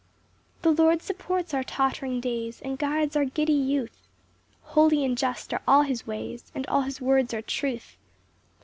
3 The Lord supports our tottering days, And guides our giddy youth; Holy and just are all his ways, And all his words are truth.